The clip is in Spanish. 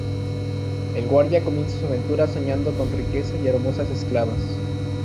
El guardia comienza su aventura soñando con riqueza y hermosas esclavas.